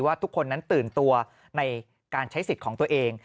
ทุกคนนั้นตื่นตัวในการใช้สิทธิ์ของตัวเอง